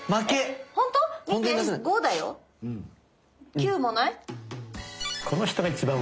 ９もない？